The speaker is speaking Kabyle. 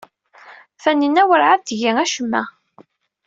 Taninna werɛad tgi acemma.